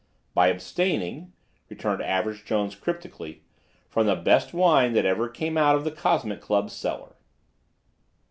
"By abstaining," returned Average Jones cryptically, "from the best wine that ever came out of the Cosmic Club cellar."